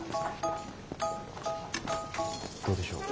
どうでしょう？